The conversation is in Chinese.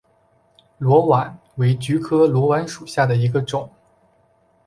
裸菀为菊科裸菀属下的一个种。